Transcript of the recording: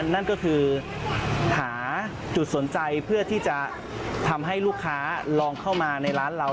นั่นก็คือหาจุดสนใจเพื่อที่จะทำให้ลูกค้าลองเข้ามาในร้านเรา